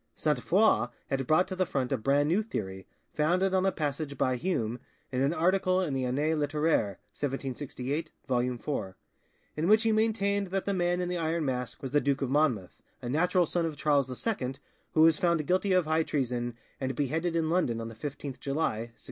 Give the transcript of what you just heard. Sainte Foix had brought to the front a brand new theory, founded on a passage by Hume in an article in the 'Annee Litteraire (1768, vol. iv.), in which he maintained that the Man in the Iron Mask was the Duke of Monmouth, a natural son of Charles II, who was found guilty of high treason and beheaded in London on the 15th July 1685.